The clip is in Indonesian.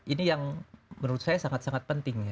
ini yang menurut saya sangat sangat penting ya